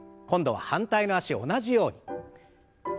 今度は反対の脚を同じように。